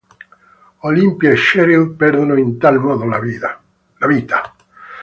Olympia e Cheryl perdono in tal modo la vita.